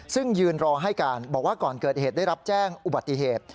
ซึ่งยืนรอให้การบอกว่าก่อนเกิดเหตุได้รับแจ้งอุบัติเหตุ